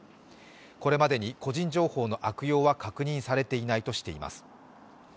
これまでに個人情報の悪用は確認されていないとしています。